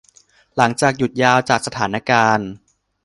หลังจากหยุดยาว จากสถานการณ์